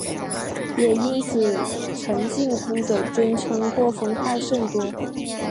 也因此陈靖姑的尊称或封号甚多。